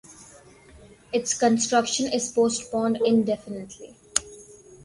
Its construction is postponed indefinitely.